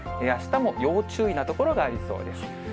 あしたも要注意な所がありそうです。